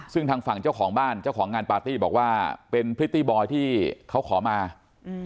ซึ่งทางฝั่งเจ้าของบ้านเจ้าของงานปาร์ตี้บอกว่าเป็นพริตตี้บอยที่เขาขอมาอืม